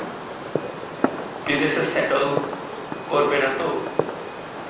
বিদেশে স্যাটল করবে না তো?